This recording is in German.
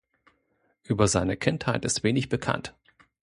Über seine Kindheit ist wenig bekannt.